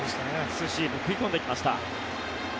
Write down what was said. ツーシーム食い込んでいきました。